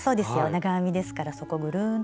長編みですからそこぐるんと。